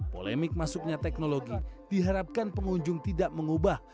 polemik masuknya teknologi diharapkan pengunjung tidak mengubah